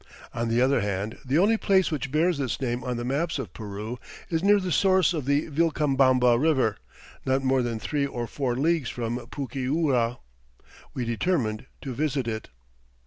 On the other hand the only place which bears this name on the maps of Peru is near the source of the Vilcabamba River, not more than three or four leagues from Pucyura. We determined to visit it.